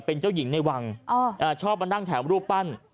เป็นเจ้าหญิงในวังชอบมานั่งแถมรูปปั้น